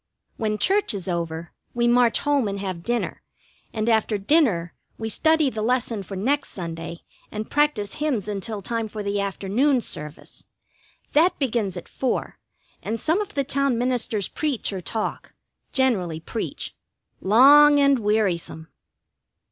When church is over we march home and have dinner, and after dinner we study the lesson for next Sunday and practise hymns until time for the afternoon service. That begins at four, and some of the town ministers preach or talk, generally preach, long and wearisome.